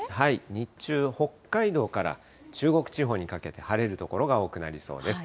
日中、北海道から中国地方にかけて、晴れる所が多くなりそうです。